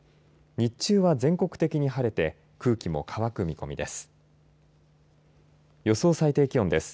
日中は全国的に晴れて空気も乾く見込みです。